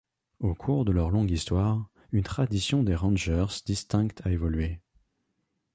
Au cours de leur longue histoire, une tradition des Rangers distincte a évolué.